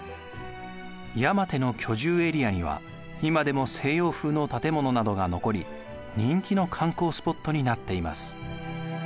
山手の居住エリアには今でも西洋風の建物などが残り人気の観光スポットになっています。